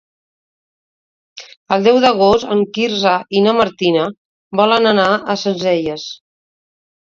El deu d'agost en Quirze i na Martina volen anar a Sencelles.